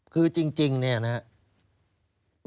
คือจริงเนี่ยนะครับ